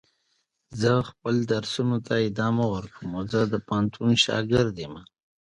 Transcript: The Clarion is a designated part of the National Wild and Scenic River program.